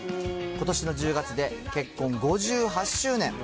ことしの１０月で結婚５８周年。